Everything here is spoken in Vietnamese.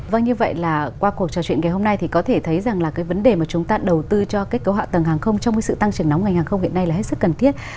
vâng như vậy là qua cuộc trò chuyện ngày hôm nay thì có thể thấy rằng là cái vấn đề mà chúng ta đầu tư cho kết cấu hạ tầng hàng không trong cái sự tăng trưởng nóng ngành hàng không hiện nay là hết sức cần thiết